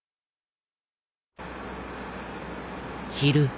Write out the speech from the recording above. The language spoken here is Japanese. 昼。